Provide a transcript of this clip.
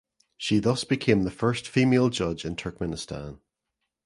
She thus became the first female judge in Turkmenistan.